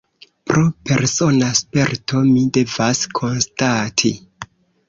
Pro persona sperto, mi devas konstati.